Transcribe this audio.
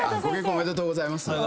おめでとうございます。